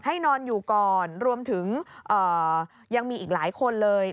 นอนอยู่ก่อนรวมถึงยังมีอีกหลายคนเลย